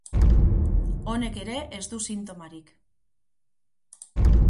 Honek ere ez du sintomarik.